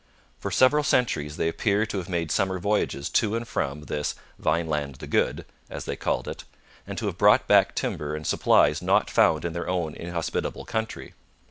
For several centuries they appear to have made summer voyages to and from this 'Vineland the Good' as they called it, and to have brought back timber and supplies not found in their own inhospitable country.